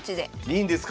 いいんですか？